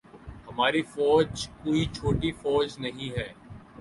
ہماری فوج کوئی چھوٹی فوج نہیں ہے۔